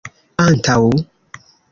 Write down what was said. antaŭ